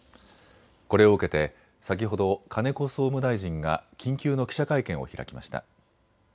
これを受けて先ほど金子総務大臣が緊急の記者会見を開きました。